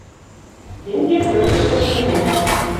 Тенге пӧртӹштӹ шӹнзенӓ